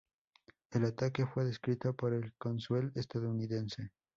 El ataque fue descrito por el cónsul estadounidense.